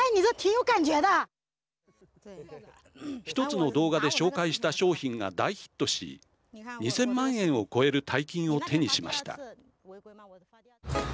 １つの動画で紹介した商品が大ヒットし２０００万円を超える大金を手にしました。